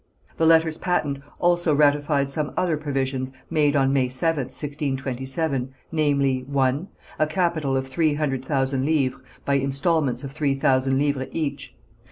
The letters patent also ratified some other provisions made on May 7th, 1627, namely: (1.) A capital of three hundred thousand livres, by instalments of three thousand livres each.